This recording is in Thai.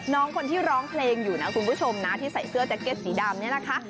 น้องคนที่ร้องเพลงอยู่นะคุณผู้ชมนะที่ใส่เสื้อแจ็คเก็ตสีดำเนี่ยนะคะ